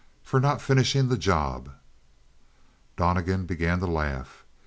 "For not finishing the job." Donnegan began to laugh.